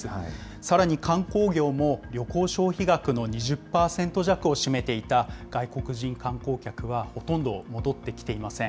さらに観光業も旅行消費額の２０％弱を占めていた外国人観光客はほとんど戻ってきていません。